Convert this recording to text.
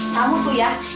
kamu tuh ya